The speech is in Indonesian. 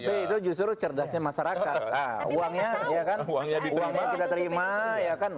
tapi itu justru cerdasnya masyarakat